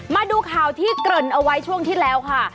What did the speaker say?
มาดูข่าวที่เกริ่นเอาไว้ช่วงที่แล้วค่ะ